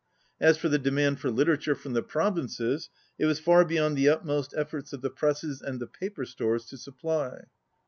As for the demand for literature from the provinces, it was far beyond the utmost efforts of the presses and the paper stores to supply.